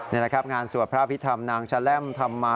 นี่แหละครับงานสวดพระพิธรรมนางชะแลมทำมา